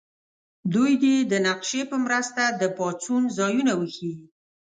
دوی دې د نقشې په مرسته د پاڅون ځایونه وښیي.